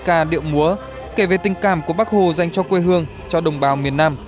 ca điệu múa kể về tình cảm của bắc hồ dành cho quê hương cho đồng bào miền nam